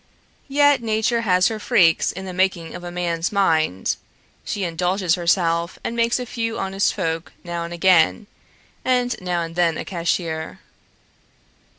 Yet Nature has her freaks in the making of a man's mind; she indulges herself and makes a few honest folk now and again, and now and then a cashier.